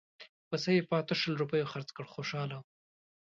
پسه یې په اتو شل روپیو خرڅ کړ خوشاله وو.